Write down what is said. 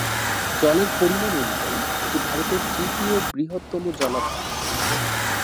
জলের পরিমাণ অনুযায়ী, এটি ভারতের তৃতীয় বৃহত্তম জলাধার।